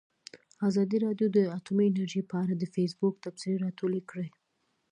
ازادي راډیو د اټومي انرژي په اړه د فیسبوک تبصرې راټولې کړي.